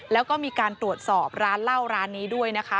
แล้วก็มีการตรวจสอบร้านเหล้าร้านนี้ด้วยนะคะ